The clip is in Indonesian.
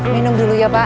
minum dulu ya pak